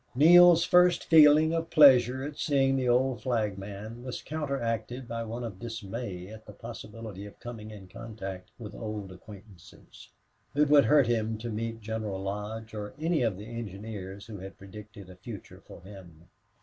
Neale's first feeling of pleasure at seeing the old flagman was counteracted by one of dismay at the possibility of coming in contact with old acquaintances. It would hurt him to meet General Lodge or any of the engineers who had predicted a future for him.